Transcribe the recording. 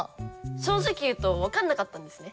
正直言うとわかんなかったんですね。